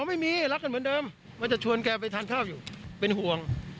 ไม่มีรักกันเหมือนเดิมว่าจะชวนแกไปทานข้าวอยู่เป็นห่วง